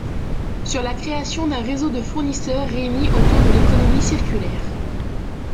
Sur la création d'un réseau de fournisseurs réunis autour de l'économie circulaire.